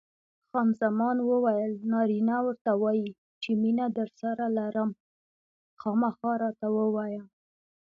خان زمان وویل: نارینه ورته وایي چې مینه درسره لرم؟ خامخا راته ووایه.